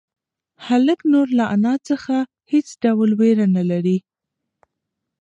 هلک نور له انا څخه هېڅ ډول وېره نهلري.